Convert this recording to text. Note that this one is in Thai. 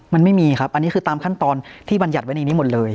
มันไม่มีครับอันนี้คือตามขั้นตอนที่บรรยัติไว้ในนี้หมดเลย